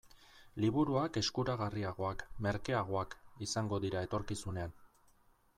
Liburuak eskuragarriagoak, merkeagoak, izango dira etorkizunean.